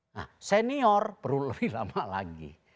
nah senior perlu lebih lama lagi